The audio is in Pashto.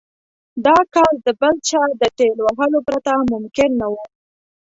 دا کار د بل چا د ټېل وهلو پرته ممکن نه و.